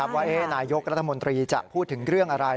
ว่านายกรัฐมนตรีจะพูดถึงเรื่องอะไร